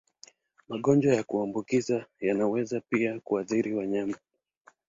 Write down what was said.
Magonjwa ya kuambukiza yanaweza pia kuathiri wanyama.